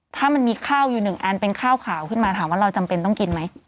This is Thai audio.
ถ้ามันมีข้าวอยู่หนึ่งอันเป็นข้าวขาวขึ้นมาถามว่าเราจำเป็นต้องกินไหม